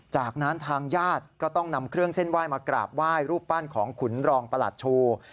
จากนั้นทางญาติก็ต้องนำเครื่องเส้นไหว้มากราบไหว้รูปปั้นของขุนรองประหลัดชู